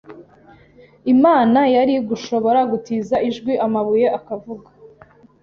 Imana yari gushobora gutiza ijwi amabuye akavuga